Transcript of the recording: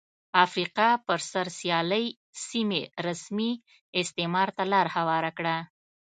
افریقا پر سر سیالۍ سیمې رسمي استعمار ته لار هواره کړه.